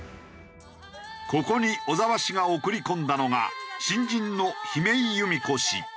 ここに小沢氏が送り込んだのが新人の姫井由美子氏。